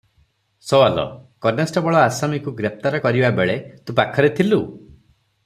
ସୱାଲ - constable ଆସାମୀକୁ ଗ୍ରେପ୍ତାର କରିବା ବେଳେ ତୁ ପାଖରେ ଥିଲୁ?